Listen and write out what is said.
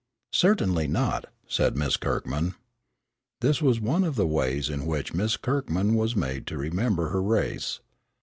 "Certainly not," said Miss Kirkman. This was one of the ways in which Miss Kirkman was made to remember her race.